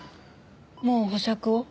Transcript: もう保釈を？